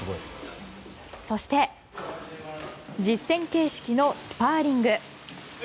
そして実戦形式のスパーリング。